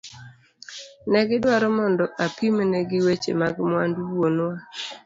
Negi dwaro mondo apimne gi weche mag mwandu wuonwa.